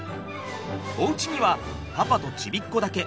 おうちにはパパとちびっこだけ。